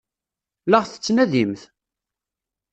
La ɣ-tettnadimt?